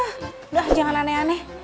ah udah jangan aneh aneh